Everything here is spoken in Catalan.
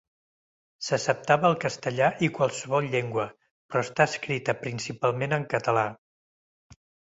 S'acceptava el castellà i qualsevol llengua, però està escrita principalment en català.